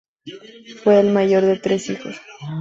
Fue el mayor de tres hijos.